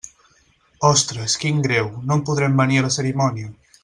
Ostres, quin greu, no podrem venir a la cerimònia.